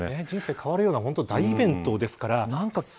人生が変わるような大イベントですから。